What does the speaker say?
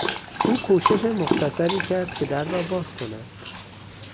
او کوشش مختصری کرد که در را باز کند.